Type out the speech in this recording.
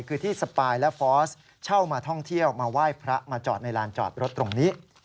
คือที่สปายและฟอสเช่ามาท่องเที่ยวมาไหว้พระมาจอดในลานจอดรถตรงนี้